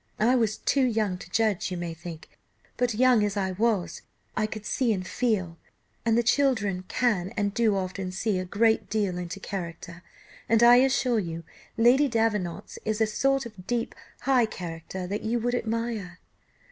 I was too young to judge, you may think, but young as I was, I could see and feel, and children can and do often see a great deal into character, and I assure you Lady Davenant's is a sort of deep, high character, that you would admire."